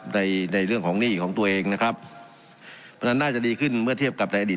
ในในเรื่องของหนี้ของตัวเองนะครับเพราะฉะนั้นน่าจะดีขึ้นเมื่อเทียบกับในอดีต